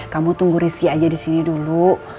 kamu tunggu rizky aja disini dulu